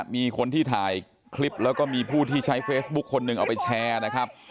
มีคนที่ถ่ายคลิปแล้วก็มีผู้ที่ใช้เฟซบุ๊คคนหนึ่งเอาไปแชร์นะครับ